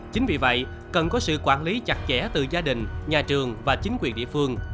chính vì vậy cần có sự quản lý chặt chẽ từ gia đình nhà trường và chính quyền địa phương